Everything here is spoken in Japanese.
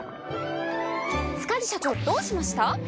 塚地社長どうしました？